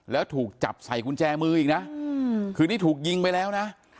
แล้วถูกจับใส่กุญแจมืออีกนะคือนี่ถูกยิงไปแล้วนะ